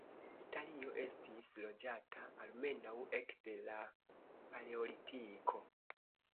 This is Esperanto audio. Italio estis loĝata almenaŭ ekde la Paleolitiko.